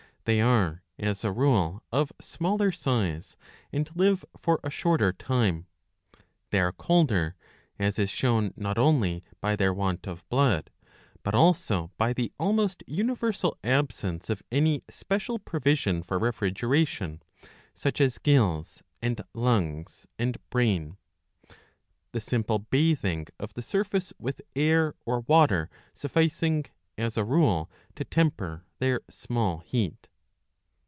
They are, as a rule, of smaller* size, and live for a shorter time.' They are colder, as is shown not only by their want of blood,* but also by the almost universal absence of any special provision for refrigeration, such as gills and lungs and brain ; the simple bathing of the surface with_airj)r water sufficing, as a rule,) to temper their small heat.'